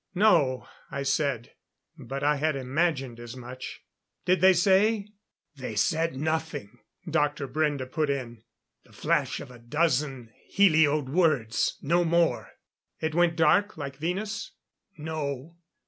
"No," I said; but I had imagined as much. "Did they say " "They said nothing," Dr. Brende put in. "The flash of a dozen helioed words no more." "It went dark, like Venus?" "No.